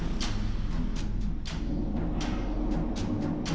tidak ada yang bisa dikawal